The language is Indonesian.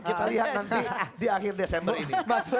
kita lihat nanti di akhir desember ini